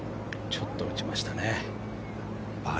ちょっと打ちましたね。